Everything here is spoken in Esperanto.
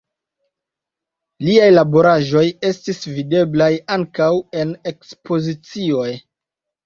Liaj laboraĵoj estis videblaj ankaŭ en ekspozicioj.